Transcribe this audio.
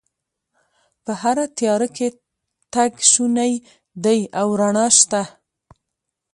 په هره تیاره کې تګ شونی دی او رڼا شته